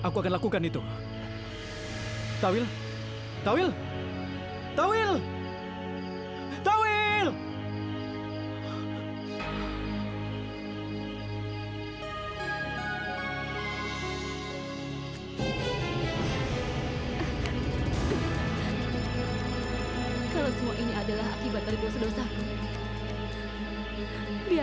kita akan hidup bersama suci